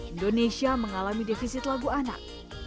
indonesia mengalami defisit lagu anak